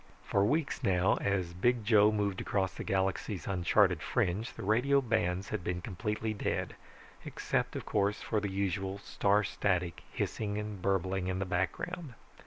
For weeks now, as Big Joe moved across the galaxy's uncharted fringe, the radio bands had been completely dead, except, of course, for the usual star static hissing and burbling in the background.